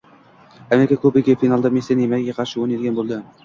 Amerika Kubogi. Finalda Messi Neymarga qarshi o‘ynaydigan bo‘ldi